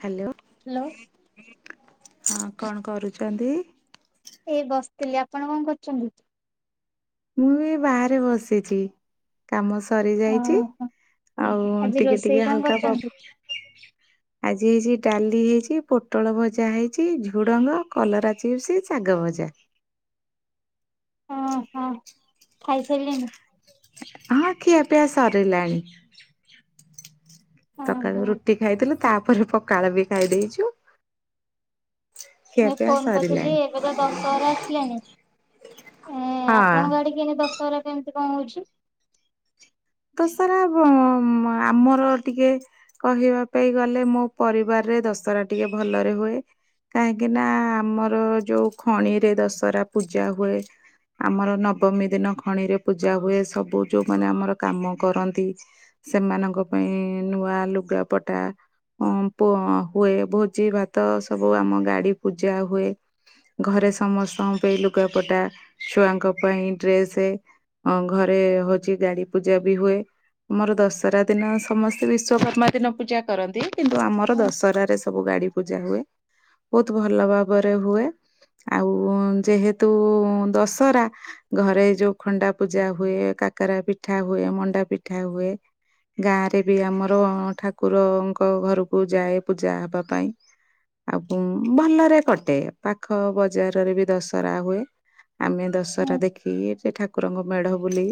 Hello hello ହଁ କଣ କରୁଛନ୍ତି? ଏଇ ବସିଥିଲି ଆପଣ କଣ କରୁଛନ୍ତି? ମୁଁ ଏ ବାହାରେ ବସିଛି କାମ ସ ସରି ଯାଇଛି ଓହୋ ଆଉ ଆଜି ଟିକେ ରୋଷେଇ ଟିକେ କଣ ହାଲକା ପ କରିଛନ୍ତି? ଆଜି ହେଇଛି ଡାଲି ହେଇଛି ପୋଟଳ ଭଜା ହେଇଛି ଝୁଡଙ୍ଗ କଲରା ଚିପ୍ସ ସା ଗ ଭଜା। ଓ ହ ଖାଇସାରିଲ ମୁ ହ ଆ କିଆ ପଆ ସାର ଲାଣି। ହଁ ସକାଳୁ ହଁ ରୁଟି ଖାଇଥିଲୁ ତାପରେ ପଖାଳ ବି ଖାଇ ଦେଇେଇଛୁ। ମୁଇଁ ଫୋନ କରିଥିଲି ଏବେ ତ ଦଶହର ଆସିଲାଣି ଏ ହଁ ଆପଣଙ୍କ ଆଡ଼େ କିି ଦଶହରା କେମିତି କଣ ହଉଛୁ? ତ ସାରା ଆମର ଟିକେ କହିବା ପାଇଁ ଗଲେ ମୋ ପରିବାର ଦଶହରା ଟିକେ ଭଲରେ ହୁଏ। କାହିଁକି ନା ଆମର ଯୋଉ ଖଣିରେ ଦଶହରା ପୂଜା ହୁଏ ଆମର ନବମୀ ଦିନ ଖଣି ରେ ପୂଜା ହୁଏ ସବୁ ଯୋଉ ମାନ ଆମର କାମ କରନ୍ତି ସେମାନଙ୍କ ପାଇଁ ନୂଆ ଲୁଗାପଟା ଅ ପ ହୁଏ ଭୋଜି ଭାତ ସବୁ ଆମ ଗାଡି ପୂଜା ହୁଏ। ଘରେ ସମସ୍ତଙ୍କ ପାଇଁ ଲୁଗାପଟା ଛୁଆଙ୍କ ପାଇଁ ଡ୍ରେସ ଅ ଘରେ ହଉଛି ଗାଡି ପୂଜା ବି ହୁଏ। ଆମର ଦଶହରା ଦିନ ସମସ୍ତେ ବିଶ୍ଵକର୍ମା ଦିନ ପୂଜା କରନ୍ତି କିନ୍ତୁ ଆମର ଦଶହରାରେ ସବୁ ଗ ଗାଡ଼ି ପୂଜା ହୁଏ ବହୁତ ଭଲ ଭାବରେ ହୁଏ। ଆଉ ଯେହେତୁ ଦଶରା ଘରେ ଯୋଉ ଖଣ୍ଡା ପୂଜା ହୁଏ ତାକରା ପିଠା ହୁଏ ମଣ୍ଡା ପିଠା ହୁଏ। ଗାଁ ରେ ବି ଆମର ଠାକୁରଙ୍କ ଘରକୁ ଯାଏ ପୂଜା ହବା ପାଇଁ। ଆଉ ଭଲରେ କଟେ ପାଖ ବଜାରରେ ବି ଦଶହରା ହୁଏ। ଆମେ ଦଶହରା ଦେଖି ଠାକୁରଙ୍କ ମେଢ ବୁଲି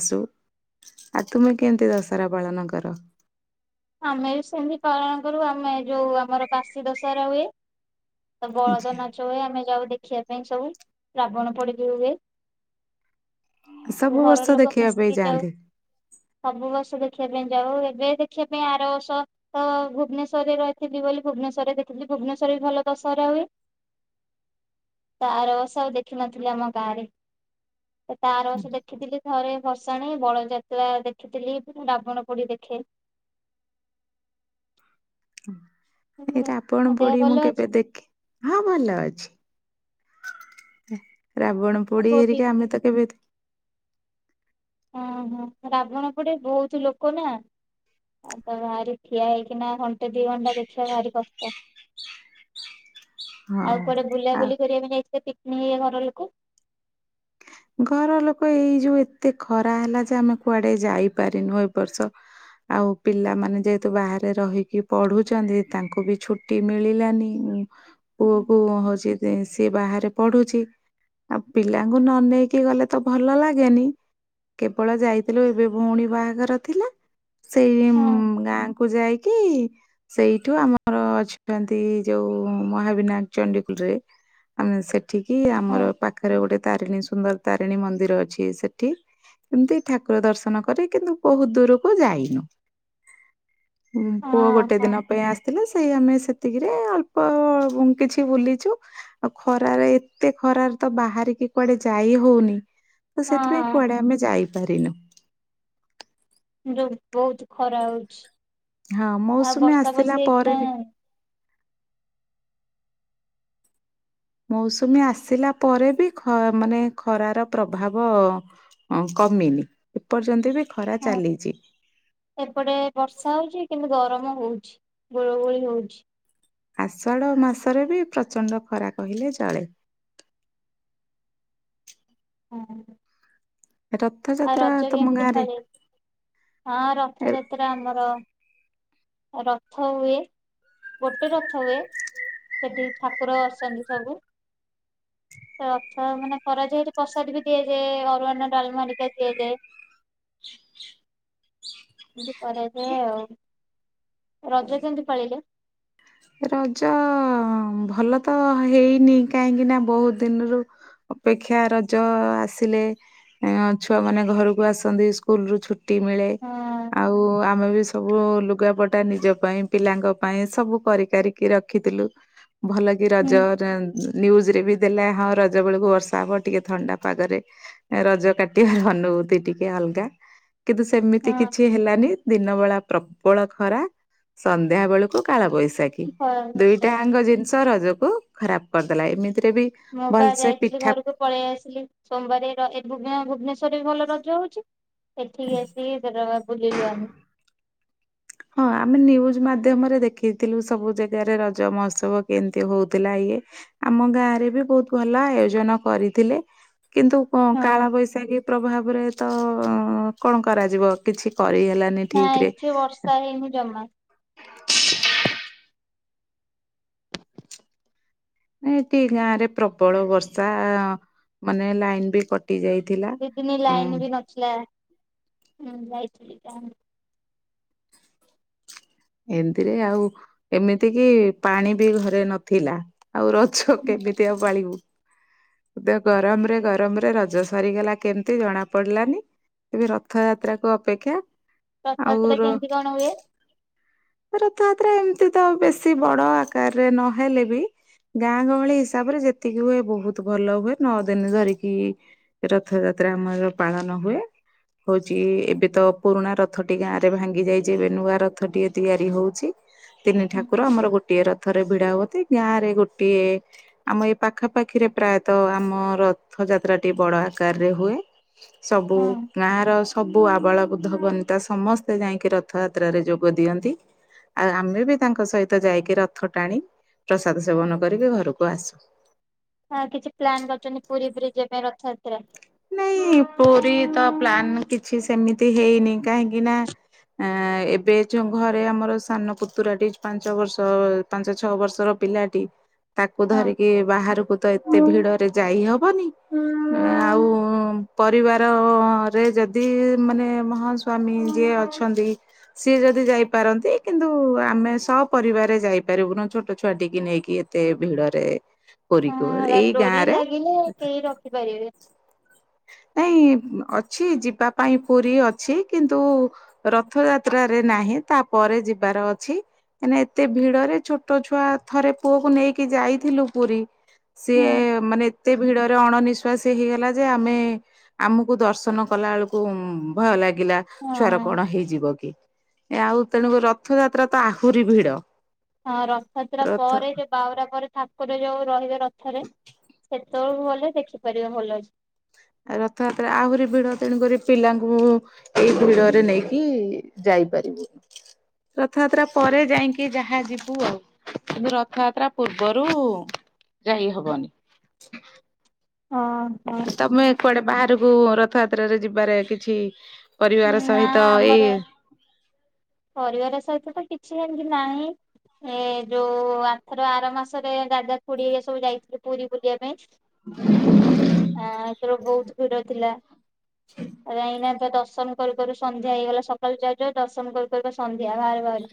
ଆସୁ। ଆଉ ତୁମେ କେମିତି ଦଶହରା ପାଳନ କର? ଆମେ ବି ସେମିତି ପାଳନ କରୁ ଆମେ ଯୋଉ ଆମର ବାଶୀ ଦଶହରା ହୁଏ। ତ ବଳଦ ନାଚ ହୁଏ। ଯାଉ ଦେଖିବା ପାଇଁ ସବୁ। ରାବଣ ପୋଡି ବିି ହୁଏ। ସୁ ସବୁ ଘର ବର୍ଷ ଲୋକ ଦେଖିବା ପାଇଁ ମିଶିକି ଯାଉ ଯାଆନ୍ତି ସବୁ ବଷ ଦେଖି ପାଇଁ ଯାଉ ଏବେ ଦେଖିବା ପାଇଁ ଆରବର୍ଷ ତ ଭୁବନେଶ୍ଵରରେ ରହିଥିଲି ବୋଲି ଭୁବନେଶ୍ଵରରେଖଥିଲି। ଭୁବନେଶ୍ଵର ବି ଭଲ ଦଶହରା ହୁଏ। ତାର ଅସବ ଦେଖିନଥିଲି ଆମ ଗାଁରେ। ସେ ତାର ଅର ବର୍ଷ ଦେଖିଥିଲି ଘଥରେ ବସାଣି ବଳଯାତ୍ରା ଦେଖିଥିଲି ରାବଣ ପୋଡି ଦେଖେ। ଏଟା ରାବଣ ଆଉ ଦେହ ପୋଡି ଭଲ ମୁଁ ଅଛି? କେବେ ଦେଖେ ହଁ ଭଲ ଅଛି। ରାବଣ ଆଉ ପୋଡି କୋଉଠି ହେରିକି ଆମେ ତ କେବେ ଓହୋ ରାବଣ ପଡେ ବହୁତ ଲୋକ ନା ଆଉ ତ ଭାରି ଠିଆ ହେଇକିନା ଘଣ୍ଟେ ଦି ଘଣ୍ଟା ଦେଖିବା ଭାରି କଷ୍ଟ। ହଁ ଆଉ କୁଆଡେ ଆଉ ବୁଲାବୁଲି କରିବା ପାଇଁ ଯାଇଥିଲେ ପିକନିକ ହେଇ ଘର ଲୋକ? ଘର ଲୋକ ଏଇ ଯୋଉ ଏତେ ଖରା ହେଲା ଯେ ଆମେ କୁଆଡେ ଯାଇପାରିନୁ ଏ ବର୍ଷ। ଆଉ ପିଲାମାନେ ଯେହେତୁ ବାହାରେ ରହିକି ପଢୁଛନ୍ତି ତାଙ୍କୁ ବି ଛୁଟି ମିଳିଲାନି। ହଁ ପୁଅ କ ହଉଛି ସିଏ ବାହାରେ ପଢୁଛି ଆଉ ପିଲାଙ୍କୁ ନ ନେଇେଇକି କି ଗଲେ ତ ଭଲ ଲାଗେନି କେବଳ ଯାଇଥିଲୁ ଏବେ ଭଉଣୀ ବାହାଘର ଥିଲା ସେଇ ଗାଁ କୁ ଯାଇକି ସେଇଠୁ ଆମର ଅଛନ୍ତି ଯୋଉ ମହାବିନାୟକ ଚଣ୍ଡୀ ରେ ସେଠିକି ହଁ ଆମର ପାଖରେ ଗୋଟେ ତାରିଣୀ ସୁନ୍ଦର ତାରିଣୀ ମନ୍ଦିର ଅଛି ସେଠି ଏମତି ଠାକୁର ଦର୍ଶନ କରେ କିନ୍ତୁ ବହୁତ ଦୂରକୁ ଯାଇନୁ। ପୁଅ ଗୋଟେ ହଁ। ଦିନ ପାଇଁ ଆସିଥିଲା ସେଇ ଆମେ ସେ ଏତିକିରେ ଅଳ୍ପ କିଛି ବୁଲିଛୁ ଆଉ ଖରାରେ ଏତେ ଖରାରେ ତ ବାହାରିକି କୁଆଡେ ଯାଇ ହଉନି ତ ସେଥିପାଇଁ ହଁ କୁଆଡେ ଆମେ ଯାଇପାରିନୁ। ବହୁତ ଖରା ହଉଛି। ହଁ ଆଉ ମୌସୁମୀ ବର୍ଷା ଆସିଲା ବର୍ଷୀ ପରେ ବି ମୌସୁମୀ ଆସିଲା ପରେ ବି ଖ ମାନେ ଖରାର ପ୍ରଭାବ କମିନି ଏପର୍ଯ୍ୟନ୍ତ ବି ଖରା ହଁ ଚାଲିଚି। ଏପଟେ ବର୍ଷା ହଉଛି କିନ୍ତୁ ଗରମ ହଉଛି ଗୋଳ ଗୋଳି ହଉଛି। ଆଷାଢ ମାସରେ ବି ପ୍ରଚଣ୍ଡ ଖରା କହିଲେ ଚଳେ। ହଁ। ଆଉ ରଥଯାତ୍ରା ରଜ ତମ କେମିତି ଗାଁରେ ପାଳିଲେ? ହଁ ଏ ରଥଯାତ୍ରା ଆମର ରଥ ହୁଏ। ଗୋଟେ ରଥ ହୁଏ। ସେଠି ଠାକୁର ବସନ୍ତି ସବୁ। ରଥ ମାନେ କରାଯାଏ। ଏଠି ପ୍ରସାଦ ବି ଦିଆଯାଏ ଅରୁଅନ୍ନ ଡାଲମା ହେରିକା। ଦିଆଯାଏ କରାଯାଏ ଆଉ। ରଜ କେମିତି ପାଳିଲେ? ରଜ ଭଲ ତ ହେଇନି କାହିଁକି ନା ବହୁତ ଦିନରୁ ଅପେକ୍ଷା ରଜ ଆସିଲେ ଛୁଆ ମାନେ ଘରକୁ ଆସନ୍ତି ସ୍କୁଲ ରୁ ଛୁ ଟୀ ମିଳେ ହଁ ଆଉ ଆମେ ବି ସବୁ ବୁ ଲୁଗାପଟା ନିଜ ପାଇଁ ପିଲାଙ୍କ ପାଇଁ ସବୁ କରି କାରିକି ରଖିଥିଲୁ। ଭଲକି ରଜ ହୁଁ ରେ ଇଁ ନ୍ୟୁଜ ରେ ବି ଦେଲା ହଁ ରଜ ବେଳକୁ ବର୍ଷା ହବ ଟିକେ ଥଣ୍ଡା ପାଗରେ ରଜ କାଟିବୁ [unintelligible] ତୀ ଟିକେ ହାଲକା କିନ୍ତୁ ସେମିତି କିଛି ହେଲାନି ଦିନ ବେଳା ପ୍ରବଳ ଖରା ସନ୍ଧ୍ୟା ବେଳକୁ କାଳବୈଶାଖୀ। ହଁ ଦୁଇଟାଙ୍କ ଜିନିଷ ରଜକୁ ଖରାପ କରିଦେଲା ଏମିତି ମୁଁ ବା ଯାଇଥିଲି ଘରକୁ ପଳେଇ ଆସିଲି ସୋମବାରେ ର ଏଇ ଭୁବନେ ଭୁବନେଶ୍ଵରରେ ବି ଭଲ ରଜ ହଉଛି ଏଠିକି ଆସିକି [unintelligible] ବୁଲିଲୁ ଆମେ। ହଁ ଆମେ ନ୍ୟୁଜ ମାଧ୍ୟମରେ ଦେଖିଥିଲୁ ସବୁ ଜାଗାରେ ରଜ ମହୋତ୍ସବ କେମତି ହଉଥିଲା ଇଏ ଆମ ଗାଁ ରେ ବି ବହୁତ ଭଲ ଆୟୋଜନ କରିଥିଲେ। କିନ୍ତୁ କାଳ ବୈଶାଖୀ ପ୍ରଭାବରେ ତ କଣ କରାଯିବ କିଛି କରିହେ ହେଲାନି ନା ଠିକରେ [unintelligible] ଜମା। ଏଠି ଗାଁ ରେ ପ୍ରବଳ ବର୍ଷା ମାନେ ଲାଇନ ବି କଟ ଦି ଦିନ ଲାଇନ ବି ନଥିଲାଁ ଯାଇଥିଲି। ଏମିତିରେ ଆଉ ଏମିତି କି ପାଣି ବି ଘରେ ନଥିଲା। ଆଉ ରଜ କେମିତି ଆଉ ପାଳିବୁ। ଦେ ଗରମ ରେ ଗରମରେ ରଜ ସରିଗଲା କେମିତି ଜଣା ପଡିଲାନି। ଏବେ ରଥଯାତ୍ରା କୁ ଅପେକ୍ଷା ଆଉ ରଥଯାତ୍ରରେ ର କେମିତି କଣ ହୁଏ? ରଥଯାତ୍ରା ଏମତି ତ ବେଶୀ ବଡ ଆକାରରେ ନହେଲେ ବି ଗାଁ ଗହଳି ହିସାବରେ ଯେତିକି ହୁଏ ବହୁତ ଭଲ ହୁଏ। ନଅ ଦିନ ଧରିକି ରଥଯାତ୍ରା ଯାତ୍ରା ଆମର ପାଳନ ହୁଏ। ହଉଛି ଏବେ ତ ପୁରୁଣା ରଥଟି ଗାଁରେ ଭାଙ୍ଗି ଯାଇଛି ଏବେ ନୂଆ ରଥଟି ତିଆରି ହଉଛି ତିନି ଠାକୁର ଆମର ଗୋଟେ ଗୋଟିଏ ରଥରେ ଭିଡା ହୁଅନ୍ତି। ଗାଁ ରେ ଗୋଟିଏ ଆମ ଏ ପାଖାପାଖିରେ ପ୍ରାୟତଃ ଆମ ର ରଥଯାତ୍ରାଟି ବଡ ଆକାରରେ ହୁଏ ସବୁ ହଁ ଗାଁ ର ସବୁ ଆବାଳ ବୁଦ୍ଧବନିତା ସମସ୍ତେ ଯାଇକି ରଥଯାତ୍ରାରେ ଯୋଗ ଦିଅନ୍ତି। ଆଉ ଆମେ ବି ତାଙ୍କ ସହିତ ଯାଇକି ରଥ ଟାଣି ପ୍ରସାଦ ସେବନ କରିକି ଘରକୁ ଆସୁ। ହ କିଛି ପ୍ଲାନ୍ କରୁଛନ୍ତି ପୁରୀ ପୁରୀ ଯିବା ପାଇଁ ରଥଯାତ୍ରା? ନାଇଁ ପୁରୀ ତ ପ୍ଲାନ୍ କିଛି ସେମିତି ହେଇନି କାହିଁକିନା ଅ ଏବେ ଯୋଉ ଘରେ ଆମର ସାନ ପୁତୁରାଟି ପାଞ୍ଚ ବର୍ଷ ପାଞ୍ଚ ଛଅ ବର୍ଷର ପିଲାଟି ତାକୁ ହଁ ଧରିକି ବାହାରକୁ ତ ଏତେ ଭିଡରେ ଯାଇ ହବନି ଆଉ ହୁଁ ପରିବାରରେ ଯଦି ମାନେ ହଁ ସ୍ୱାମୀ ଯିଏ ଅଛନ୍ତି ସିଏ ଯଦି ଯାଇପାରନ୍ତି କିନ୍ତୁ ଆମେ ସ ପରରିବାରେ ଯାଇପାରିବୁନ ଛୋଟ ଛୁଆ ଟିକି ନେଇକି ଏତେ ଭିଡରେ ପୁରୀକୁ ହ ଏଇ ଗାଁ ଡୋରି ରେ ଲାଗିଲେ କେହି ରୋକିପାରିବେ। ନାଇଁ ଅଛି ଯିବା ପାଇଁ ପୁରୀ ଅଛି କିନ୍ତୁ ରଥଯାତ୍ରାରେ ନାହିଁ। ତାପରେ ଯିବାର ଅଛି କାଁକିନା ଏତେ ଭିଡରେ ଛୋଟ ଛୁଆ ଥରେ ପୁଅକୁ ନେଇକି ଯାଇ ଥିଲୁ ପୁରୀ ସେ ହଁ ମାନେ ଏତେ ଭିଡରେ ଅଣନିଶ୍ଵାସୀ ହେଇଗଲା ଯେ ଯେ ଆମେ ଆମକୁ ଦର୍ଶନ କଲା ବେଳକୁ ଭୟ ଲାଗ୍ ଲାଗିଲା ଛୁଆର କଣ ହେଇଯିବ କି ଆଉ ତେଣୁ ରଥଯାତ୍ରା ତ ଆହୁରି ଭିଡ। ହଁ ରଥଯାତ୍ରା ରଥ ପରେ ଯ ବାଉଡା ପରେ ଠାକୁର ଯୋଉ ରହିବେ ରଥରେ ସେଥ ତଳକୁ ଭଲ ଦେଖିପାରିବ ଭଲ ଅଛି। ଆ ରଥଯାତ୍ରା ଆହୁରି ଭିଡ ତେଣୁକରି ପିଲାଙ୍କୁ ମୁଁ ଏଇ ଭିଡରେ ନେଇକି ଯାଇ ଯାଇପାରିବି ରଥଯାତ୍ରା ପରେ ଯାଇକି ଯାହା ଯିବୁ ଆଉ। କିନ୍ତୁ ରଥଯାତ୍ରା ପୂର୍ବରୁ ଯାଇ ହବନି। ହଁ ହଁ। ତମେ କୁଆଡେ ବାହାରକୁ ରଥଯାତ୍ରାରେ ଯିବାରେ କିଛି ପରିବାର ନା ସହିତ ଏଇ ଆମର ପରିବାର ସହିତ ତ କି କିଛି ଏମତି ନାଇ। ଏ ଯୋଉ ଆଥର ଆର ମାସରେ ଦାଦା ଖୁଡି ସବୁ ଯାଇଥିଲି ପୁରୀ ବୁଲିବାକୁ। ପାଇଁ ଆ ଏଥର ବହୁତ ଭିଡ ଥିଲା ଯାଇକିନା ଦର୍ଶନ କରୁକରୁ ସନ୍ଧ୍ୟା ହେଇଗଲା ସକାଳୁ ଯାଉ ଯାଉ ଦର୍ଶନ କରୁକରୁ ସନ୍ଧ୍ୟା ବାହାରୁ ବାହାରୁ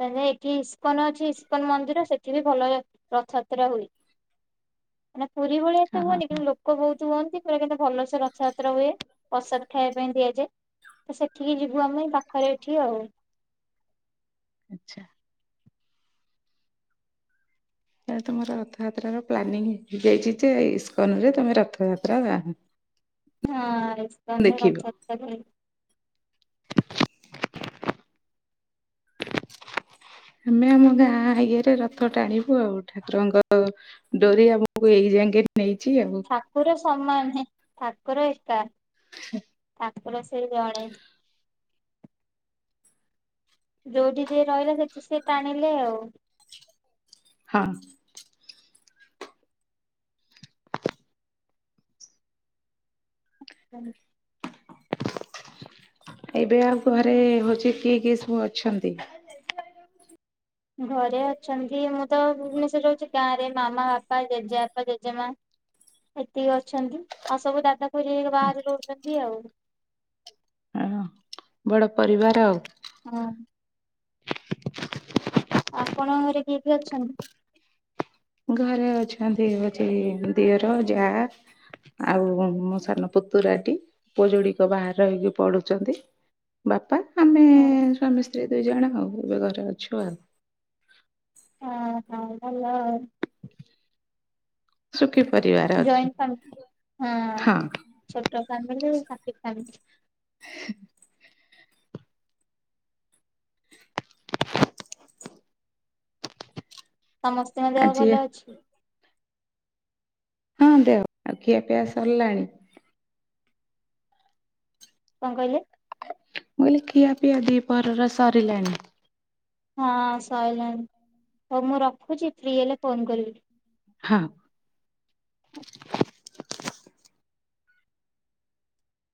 ତା ଯେ ଏଠି ଇସ୍କନ ଅଛି ଇସ୍କନ ମନ୍ଦିର ସେଠି ବି ଭଲ ର ରଥଯାତ୍ରା ହୁଏ। ମାନେ ପୁରୀ ଭଳିଆ ଏତେ ହଁ ହଁ ହୁଅନି କିନ୍ତୁ ଲୋକ ବହୁତ ହୁଅନ୍ତି ପ୍ରାଏ କିନ୍ତୁ ଭଲସେ ରଥଯାତ୍ର ହୁଏ ପ୍ରସାଦ ଖାଏବାକୁ ସେଥିପାଇଁ ଦିଆଯାଏ ତ ସେଠିକି ଯିବୁ ଆମେ ପାଖରେ ଏଠି ଆଉ। ଆଚ୍ଛା। ତାହେଲେ ତମର ରଥଯାତ୍ରାର ପ୍ଳାନିଙ୍ଗ ହେଇଯାଇଛି ଯେ ଇସ୍କନରେ ତମେ ରଥଯାତ୍ରା ହଁ ଇସ୍କନରେ ଦେଖିବ ରଥଯାତ୍ରା ବୁଲିବୁ ଆମେ ଆମ ଗାଁ ଇଆରେ ରଥ ଟାଣିବୁ ଆଉ ଠାକୁରଙ୍କ ଡୋରି ଆମକୁ ଏଇ ଯାଙ୍କେ ନେଇଛି ଆଉ ଠାକୁର ସମାନ ଠାକୁର ଏକା ହ ଠାକୁର ସେଇ ଜଣେ ଯୋଉଠି ଯି ରହିଲା ସେଠି ସେ ଟାଣିଲେ ଆଉ ହଁ। ହୁଁ। ଏବେ ଆଉ ଘରେ ହଉଛି କିଏ କିଏ ସବୁ ଅଛନ୍ତି? ଘରେ ଅଛନ୍ତି ମୁଁ ତ ଭୁବନେଶ୍ୱର ରେ ରୋହୁଚି ଗାଁ ରେ ମାମା ବାପା ଜେଜେବାପା ଜେଜେମା ଏତିକି ଅଛନ୍ତି ଆଉ ସବୁ ଦାଦା ଖୁଡି ଘରିକା ବାହାରେ ରୋହୁଚନ୍ତି ଆଉ ଉହୁଁ ବଡ ପରିବାର ଆଉ ହଁ। ଆପଣ ଘରେ କିଏ କିଏ ଅଛନ୍ତି? ଘରେ ଅଛନ୍ତି ହୋଉଚି ଦିଅର ଯା ଆଉ ମୋ ସାନ ପୁତୁରାଟି ପୁଅ ଯୋଡିକ ବାହାର ରହି ପଢୁଚନ୍ତି। ବାପା ଆମେ ହଁ ସ୍ୱାମୀ ସ୍ତ୍ରୀ ଦୁଇ ଜଣ ଆଉ ଏବେ ଘରେ ଅଛୁ ଆଉ ଉହୁଁ ଭଲ ଆଉ ସୁଖୀ ପରିବାର ଅଛୁ ଜଏଣ୍ଟ ଫ୍ୟାମିଲି ହୁଁ ହଁ ଛୋଟ ଫ୍ୟାମିଲି ହାପି ଫ୍ୟାମିଲି [unintelligible] [inaudible] ସମସ୍ତଙ୍କ ଦେହ ଆଜି ଭଲ ଅଛି। ହଁ ଦେହ ଆଉ ଖିଆ ପିଆ ସରିଲାଣି? କଣ କଇଲେ? ମୁଁ କଇଲି ଖିଆ ପିଆ ଦି ପହରର ସରିଲାଣି। ହଁ ସଇଲାଣି ହଉ ମୁଁ ରଖୁଚି ଫ୍ରି ହେଲେ ଫୋନ କରିବି। ହଁ।